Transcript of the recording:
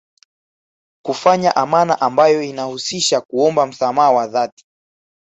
Kufanya amani ambayo inahusisha kuomba msamaha wa dhati